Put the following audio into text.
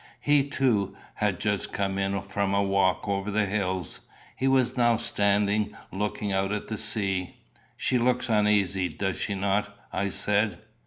He, too, had just come in from a walk over the hills. He was now standing looking out at the sea. "She looks uneasy, does she not?" I said.